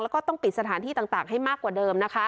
แล้วก็ต้องปิดสถานที่ต่างให้มากกว่าเดิมนะคะ